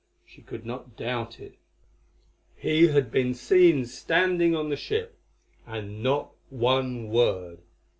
She could not doubt it, he had been seen standing on the ship—and not one word.